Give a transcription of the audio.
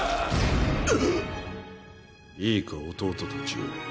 いいか弟たちよ。